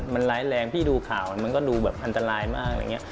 มันร้ายแรงพี่ดูข่าวมันก็ดูแบบอันตรายมาก